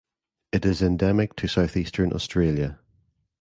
It is endemic to southeastern Australia.